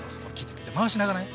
回しながらね。